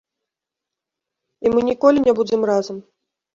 І мы ніколі не будзем разам.